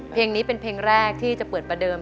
เพลงนี้เป็นเพลงแรกที่จะเปิดประเดิม